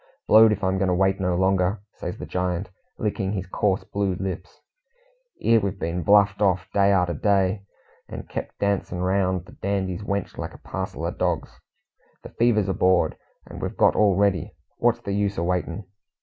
"Blowed if I'm going to wait no longer," says the giant, licking his coarse blue lips. "'Ere we've been bluffed off day arter day, and kep' dancin' round the Dandy's wench like a parcel o' dogs. The fever's aboard, and we've got all ready. What's the use o' waitin'?